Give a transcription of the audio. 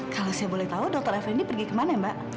kalau saya boleh tahu dokter effendy pergi kemana mba